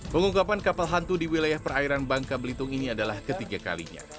pengungkapan kapal hantu di wilayah perairan bangka belitung ini adalah ketiga kalinya